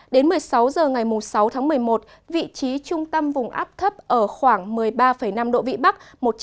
đến một mươi sáu h ngày sáu tháng một mươi một vị trí trung tâm vùng áp thấp ở khoảng một mươi ba năm độ vĩ bắc